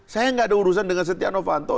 saya nggak ada urusan dengan setia novanto